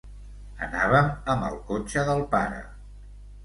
Anàvem amb el cotxe del pare.